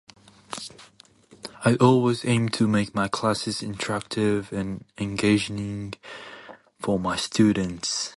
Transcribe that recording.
I always aim to make my classes interactive and engaging for my students.